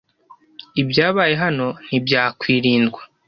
Ibyabaye hano ntibyakwirindwa.